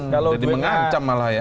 jadi mengancam malah ya